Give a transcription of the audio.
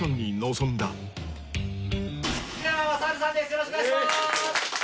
よろしくお願いします